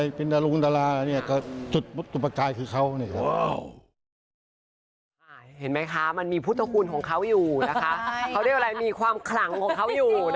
ก็เป็นกำลังใจของเขาเพราะเขารักไง